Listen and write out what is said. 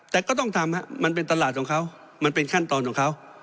แต่ก็ต้องทำมันเป็นตลาดของเขามันเป็นขั้นตอนของเขา